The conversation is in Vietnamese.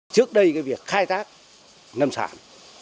trước đây cái việc khai tác ngâm sản